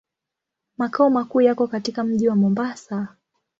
Makao makuu yako katika mji wa Mombasa.